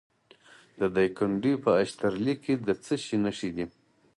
د دایکنډي په اشترلي کې د څه شي نښې دي؟